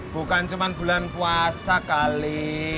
bukan cuma bulan puasa kali